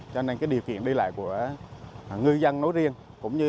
cho nên cái điều kiện đi lại của người dân nói riêng